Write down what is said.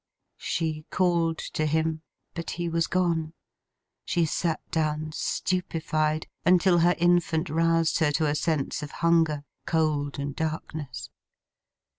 She called to him; but he was gone. She sat down stupefied, until her infant roused her to a sense of hunger, cold, and darkness.